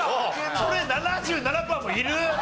それ７７パーもいる？